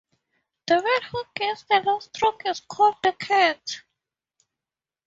The man who gives the last stroke is called the Cat.